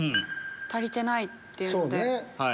足りてないっていうので。